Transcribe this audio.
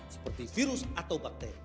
seperti virus atau bakter